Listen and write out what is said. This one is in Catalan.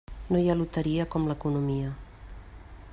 No hi ha loteria com l'economia.